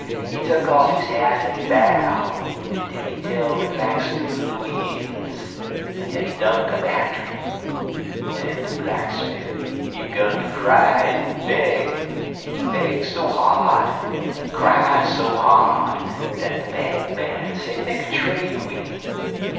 He tuck off his hat en he bow, en den he tell de blacksmif who he is, en dat he done come atter 'im. Den de black smif, he gun ter cry en beg, en he beg so hard en he cry so loud dat de Bad Man say he make a trade wid 'im.